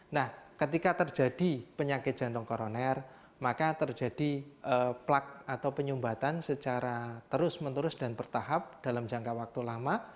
nah ketika terjadi penyakit jantung koroner maka terjadi plak atau penyumbatan secara terus menerus dan bertahap dalam jangka waktu lama